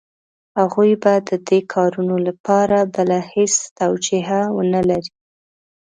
هغوی به د دې کارونو لپاره بله هېڅ توجیه ونه لري.